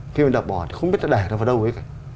khi mà đập bỏ thì không biết đã đẻ nó vào đâu ấy